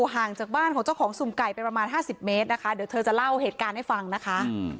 ห่างจากบ้านของเจ้าของสุ่มไก่ไปประมาณ๕๐เมตรนะคะเดี๋ยวเธอจะเล่าเหตุการณ์ให้ฟังนะคะ